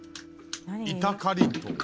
板かりんとう。